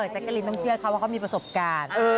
แจ๊กกะลินต้องเชื่อเขาว่าเขามีประสบการณ์